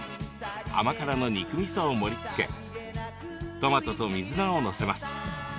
甘辛の肉みそを盛りつけトマトと水菜を載せます。